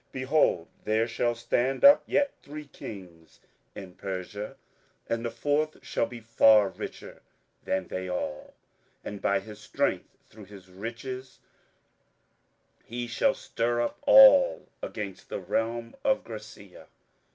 Behold, there shall stand up yet three kings in Persia; and the fourth shall be far richer than they all: and by his strength through his riches he shall stir up all against the realm of Grecia.